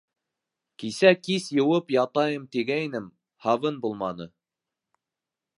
Кисә кис йыуып ятайым тигәйнем, һабын булманы.